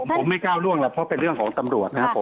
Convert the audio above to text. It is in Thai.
ผมไม่ก้าวล่วงแล้วเพราะเป็นเรื่องของตำรวจนะครับผม